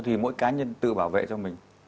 thì mỗi cá nhân tự bảo vệ cho mình